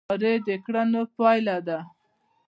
دا د ادارې د کړنو پایله ده.